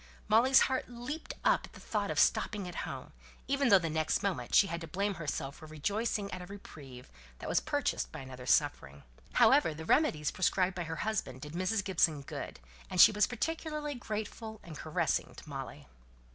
Molly's heart leaped up at the thought of stopping at home, even though the next moment she had to blame herself for rejoicing at a reprieve that was purchased by another's suffering. However, the remedies prescribed by her husband did Mrs. Gibson good; and she was particularly grateful and caressing to Molly.